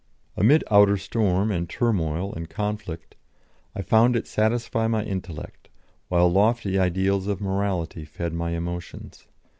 Amid outer storm and turmoil and conflict, I found it satisfy my intellect, while lofty ideals of morality fed my emotions.